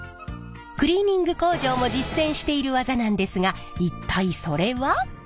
クリーニング工場も実践している技なんですが一体それは？